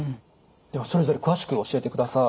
ではそれぞれ詳しく教えてください。